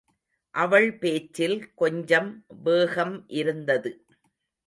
அவள் பேச்சில் கொஞ்சம் வேகம் இருந்தது.